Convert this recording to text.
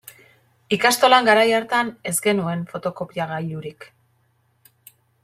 Ikastolan garai hartan ez genuen fotokopiagailurik.